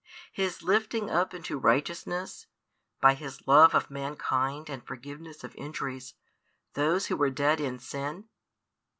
His lifting up into righteousness (by His love of mankind and forgiveness of injuries) those who were dead in sin?